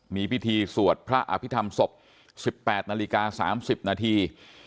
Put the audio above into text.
มีพิธีสวดพระอภิษฐรรมศพสิบแปดนาฬิกาสามสิบนาที